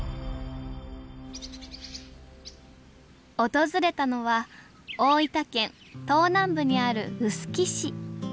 訪れたのは大分県東南部にある臼杵市。